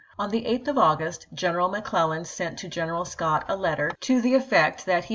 On the 8th of August, General McClellan sent to General Scott a letter ^ to the effect that he Ch.